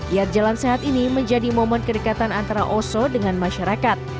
yat jalan sehat ini menjadi momen kedekatan antara oso dengan masyarakat